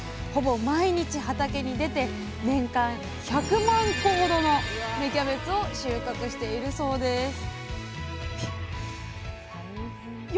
ほぼ毎日畑に出て年間１００万個ほどの芽キャベツを収穫しているそうです